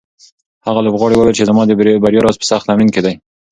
هغه لوبغاړی وویل چې زما د بریا راز په سخت تمرین کې دی.